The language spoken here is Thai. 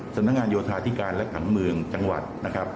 สำนักงานโยธาธิการและผังเมืองจังหวัดนะครับ